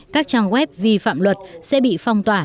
các trang web vi phạm luật sẽ bị phong tỏa